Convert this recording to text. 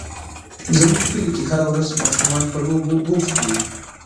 زموږ کلي کې هره ورځ ماشومان په لوبو بوخت وي.